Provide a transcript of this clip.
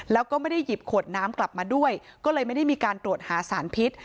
แล้วก็ไม่ได้หยิบขวดน้ำกลับมาด้วยก็เลยไม่ได้มีการตรวจหาสารพิษ